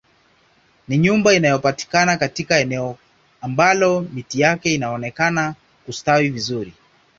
Ni nyumba inayopatikana katika eneo ambalo miti yake inaonekana kustawi vizuri